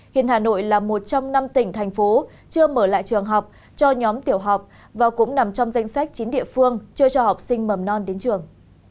hiện hà nội là một trong năm tỉnh thành phố chưa mở lại trường học cho nhóm tiểu học và cũng nằm trong danh sách chín địa phương chưa cho học sinh mầm non đến trường